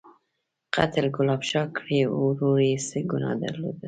_قتل ګلاب شاه کړی و، ورور يې څه ګناه درلوده؟